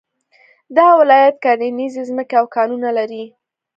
دا ولایت کرنيزې ځمکې او کانونه لري